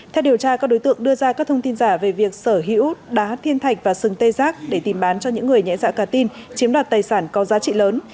theo điều tra các đối tượng đưa ra các thông tin giả về việc sở hữu đá thiên thạch và sừng tê giác để tìm bán cho những người nhẹ dạ cà tin chiếm đoạt tài sản có giá trị lớn